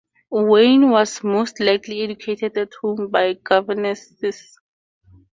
Wynne was most likely educated at home by governesses.